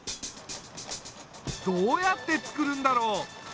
どうやってつくるんだろう？